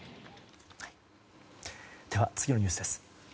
次のニュースです。